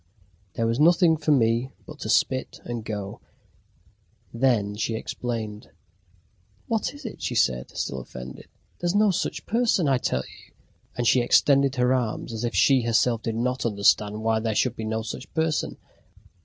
There was nothing for me but to spit and go. Then she explained. "What is it?" she said, still offended. "There's no such person, I tell you," and she extended her arms as if she herself did not understand why there should be no such person.